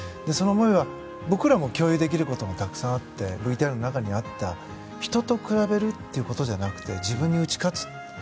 その思いは、僕らも共有できることがたくさんあってＶＴＲの中にあった人と比べるってことじゃなくて自分に打ち勝つ。